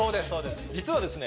実はですね